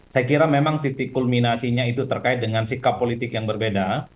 saya kira memang titik kulminasinya itu terkait dengan sikap politik yang berbeda